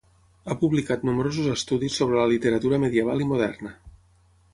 Ha publicat nombrosos estudis sobre la literatura medieval i moderna.